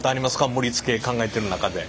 盛りつけ考えてる中で。